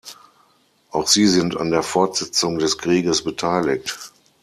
Auch sie sind an der Fortsetzung des Krieges beteiligt.